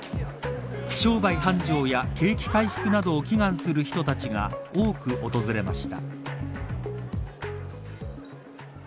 商売繁盛や景気回復などを祈願する人たちが多く訪れました。